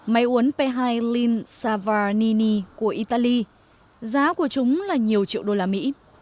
máy uống p hai lin savarnini của italy giá của chúng là nhiều triệu đô la mỹ